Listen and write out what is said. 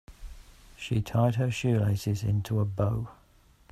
She tied her shoelaces into a bow.